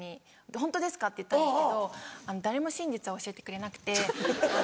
「ホントですか？」って言ったんですけど誰も真実は教えてくれなくて。